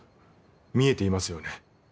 見えていますよね？